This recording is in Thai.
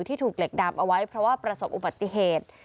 ถูกเหล็กดำเอาไว้เพราะว่าประสบอุบัติเหตุ